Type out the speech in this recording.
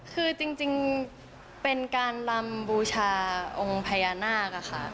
คือจริงเป็นการลำบูชาองค์พญานาคค่ะ